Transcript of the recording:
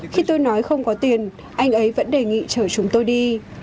khi tôi nói không có tiền anh ấy vẫn đề nghị chở chúng tôi đi